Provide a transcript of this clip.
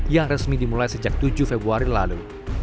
yang resmi dimulai sejak tujuh februari lalu